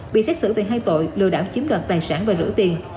bị xét xử về hai tội lừa đảo chiếm đoạt tài sản và rửa tiền